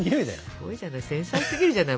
すごいじゃない繊細すぎるじゃない。